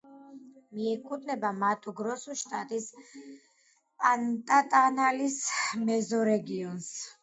მიეკუთვნება მატუ-გროსუს შტატის პანტანალის მეზორეგიონს.